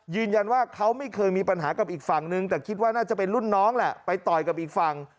ยืนยันว่าเขาไม่เคยมีปัญหากับอีกฝั่งนึงแต่คิดว่าน่าจะเป็นรุ่นน้องแหละไปต่อยกับอีกฝั่ง